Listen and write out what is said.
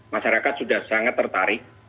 masyarakat sudah sangat tertarik